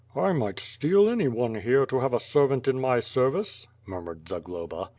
"1 might steal anyone here to have a servant in my ser vice," murmured Zagloba.